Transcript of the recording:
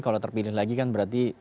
kalau terpilih lagi kan berarti